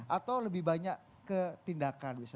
atau lebih banyak ketindakan bisa